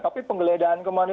tapi penggeledahan kemana